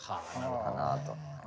かなと。